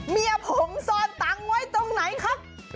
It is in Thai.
เมียผมซ่อนตังค์อยู่ไหนคะ